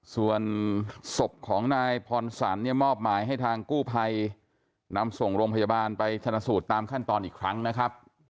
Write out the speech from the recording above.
ส่วนศพของนายพรสันเนี่ยมอบหมายให้ทางกู้ภัยนำส่งโรงพยาบาลไปชนะสูตรตามขั้นตอนอีกครั้งนะครับ